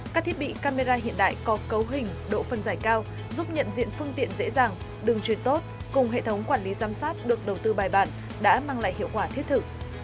các thiết bị camera hiện đại có cấu hình độ phân giải cao giúp nhận diện phương tiện dễ dàng đường truyền tốt cùng hệ thống quản lý giám sát được đầu tư bài bản đã mang lại hiệu quả thiết thực